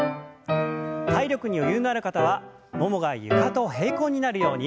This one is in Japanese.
体力に余裕のある方はももが床と平行になるように。